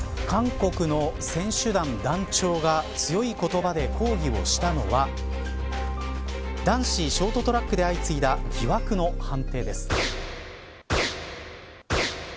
韓国の選手団団長が強い言葉で抗議をしたのは男子ショートトラックで相次いだ疑惑の判定です。